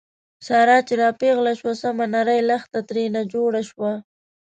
ساره چې را پېغله شوه، سمه نرۍ لښته ترېنه جوړه شوه.